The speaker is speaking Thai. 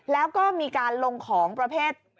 แล้วก็มีการลงของประเภท